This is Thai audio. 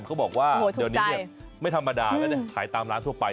เขาบอกว่าเดี๋ยวนี้ไม่ธรรมดาขายตามร้านทั่วไป